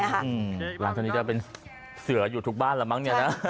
หลังจากนี้จะเป็นเสืออยู่ทุกบ้านละมั้ง